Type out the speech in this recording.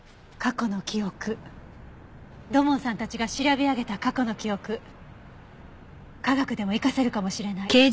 土門さんたちが調べ上げた過去の記憶科学でも生かせるかもしれない。